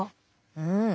うん。